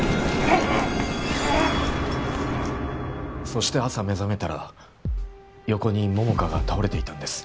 そして朝目覚めたら横に桃花が倒れていたんです。